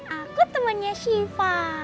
aku temannya siva